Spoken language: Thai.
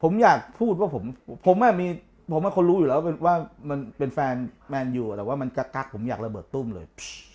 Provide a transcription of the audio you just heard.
ผมอยากพูดว่าผมเป็นคนรู้อยู่แล้วว่ามันเป็นแฟนแมนอยู่แต่ว่ามันกักผมอยากระเบิดตุ้มเลย